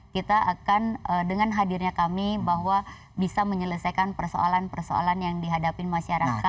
kita akan dengan hadirnya kami bahwa bisa menyelesaikan persoalan persoalan yang dihadapin masyarakat